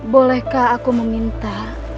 bolehkah aku meminta